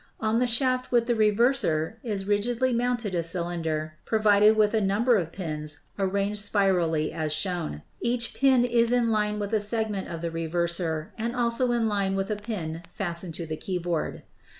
On the shaft with the reverser is rigidly mounted a cylinder provided with a number of pins arranged spirally as shown ; each pin is in. 304 ELECTRICITY line with a segment of the reverser and also in line with a pin fastened to the keyboard.